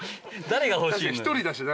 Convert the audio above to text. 誰が欲しいのよ。